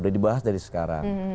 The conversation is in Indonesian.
udah dipahami dari sekarang